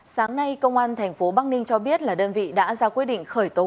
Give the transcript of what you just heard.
sáng nay công an tp bắc ninh cho biết là đơn vị đã ra quyết định khởi tổn thương